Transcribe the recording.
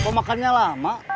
kok makannya lama